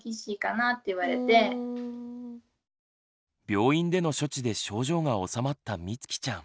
病院での処置で症状が治まったみつきちゃん。